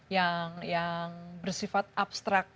yang bersifat abstrak